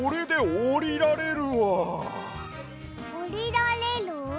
おりられる？